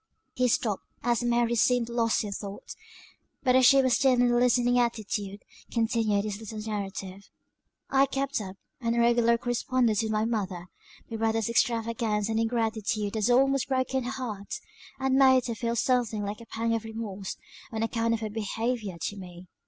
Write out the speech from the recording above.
He stopped, as Mary seemed lost in thought; but as she was still in a listening attitude, continued his little narrative. "I kept up an irregular correspondence with my mother; my brother's extravagance and ingratitude had almost broken her heart, and made her feel something like a pang of remorse, on account of her behaviour to me.